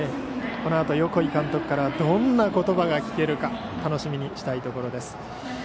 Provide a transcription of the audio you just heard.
このあと横井監督からはどんな言葉が聞けるか楽しみにしたいところです。